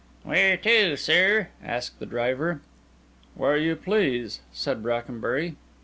"Where to, sir?" asked the driver. "Where you please," said Brackenbury.